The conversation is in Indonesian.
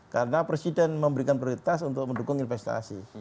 karena presiden memberikan prioritas untuk mendukung investasi